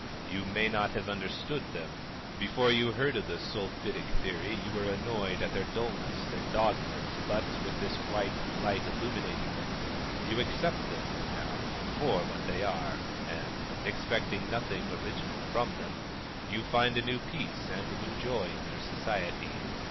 You may not have understood them; before you heard of the Sulphitic Theory you were annoyed at their dullness, their dogmas, but, with this white light illuminating them, you accept them, now, for what they are, and, expecting nothing original from them, you find a new peace and a new joy in their society.